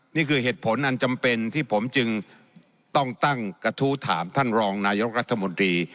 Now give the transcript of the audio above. นี่คือเหตุผลอันจำเป็นที่ผมจึงต้องตั้งกระทู้ถามท่านรองนายกรัฐมนตรี